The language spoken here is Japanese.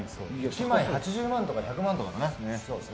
１枚８０万とか１００万とかね。